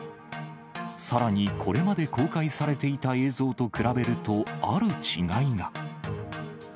さらにこれまで公開されていた映像と比べると、ある違いが。